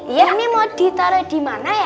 ini mau ditaro dimana ya